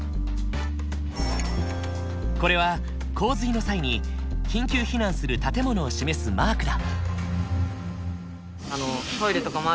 これは洪水の際に緊急避難する建物を示すマークだ。